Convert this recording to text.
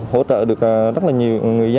hỗ trợ được rất là nhiều người dân